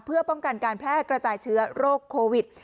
เพื่อป้องกันการแพร่กระจายเชื้อโรคโควิด